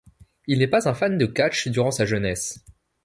Il n'est pas un fan de catch durant sa jeunesse.